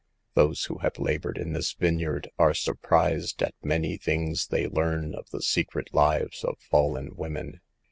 Those who have labored in this vineyard are surprised at many things they learn of the secret lives of fallen women.